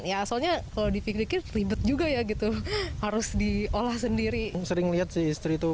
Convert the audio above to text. ya asalnya kalau dipikir pikir ribet juga ya gitu harus diolah sendiri sering lihat sih istri itu